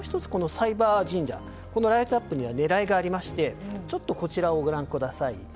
サイバー神社のライトアップには狙いがありましてこちらご覧ください。